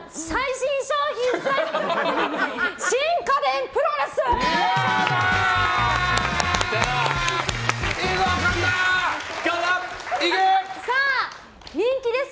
新家電プロレス！